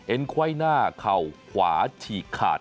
ไขว้หน้าเข่าขวาฉีกขาด